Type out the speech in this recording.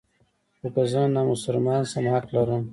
خو که زه نامسلمان شم حق لرم.